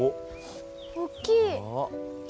おっきい。